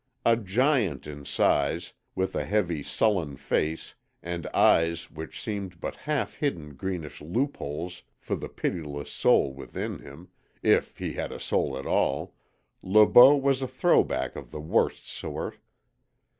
A giant in size, with a heavy, sullen face and eyes which seemed but half hidden greenish loopholes for the pitiless soul within him if he had a soul at all Le Beau was a "throw back" of the worst sort.